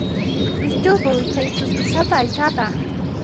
Wikch'upuy chay ch'uspisapa aychata.